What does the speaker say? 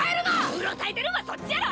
うろたえてるんはそっちやろ！